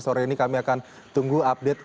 sore ini kami akan tunggu update